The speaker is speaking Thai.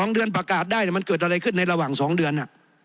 ๒เดือนประกาศได้มันเกิดอะไรขึ้นในระหว่าง๒เดือน